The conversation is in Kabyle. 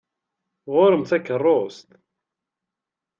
Ɣur-m takeṛṛust!